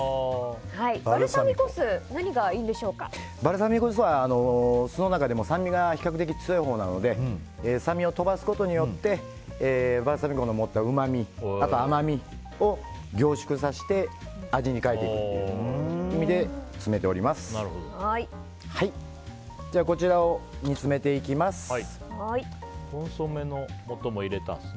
バルサミコ酢バルサミコ酢は酢の中でも酸味が比較的強いほうなので酸味を飛ばすことによってバルサミコが持っているうまみあと甘みを凝縮させて味に変えていくというので煮詰めております。